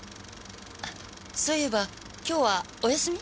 そう言えば今日はお休み？